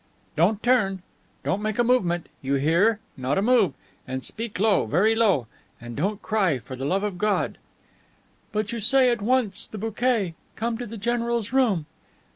"Don't turn! Don't make a movement! You hear not a move! And speak low, very low. And don't cry, for the love of God!" "But you say at once... the bouquet! Come to the general's room!"